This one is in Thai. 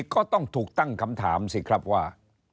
ก็ต้องถูกตั้งคำถามสิครับว่า